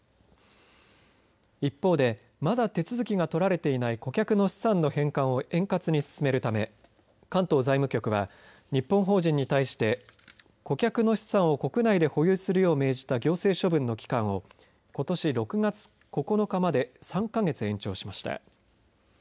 一方でまだ手続きが取られていない顧客の資産の返還を円滑に進めるため関東財務局は日本法人に対して顧客の資産を国内で保有するよう命じた行政処分の期間をことし６月９日まで３か月延長しました。